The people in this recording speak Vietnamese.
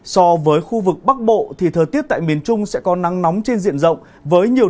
so với khu vực bắc bộ thì thời tiết tại miền trung sẽ có tăng nắng nhiều tăng nắng nhiều tăng nắng nhiều